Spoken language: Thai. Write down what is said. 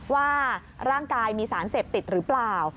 ว่าร่างกายมีสารเสพติดหรือเปล่า